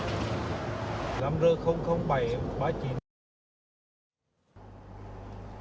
lám rơ bảy trăm ba mươi chín